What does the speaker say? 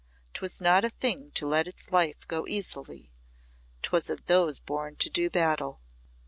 'Twas not a thing to let its life go easily, 'twas of those born to do battle.